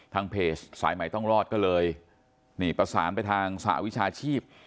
ทางเพจสายใหม่ต้องรอดก็เลยนี่ประสานไปทางสหวิชาชีพ